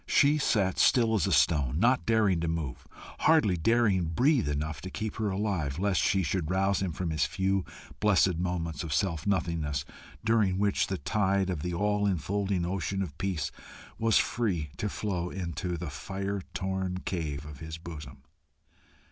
She sat still as a stone, not daring to move, hardly daring breathe enough to keep her alive, lest she should rouse him from his few blessed moments of self nothingness, during which the tide of the all infolding ocean of peace was free to flow into the fire torn cave of his bosom.